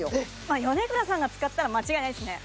米倉さんが使ったら間違いないですね